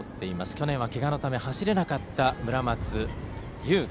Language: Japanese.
去年は、けがのため走れなかった村松結。